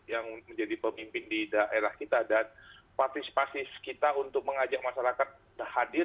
yang menjadi pemimpin di daerah kita dan partisipasi kita untuk mengajak masyarakat hadir